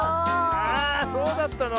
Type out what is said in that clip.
あそうだったの？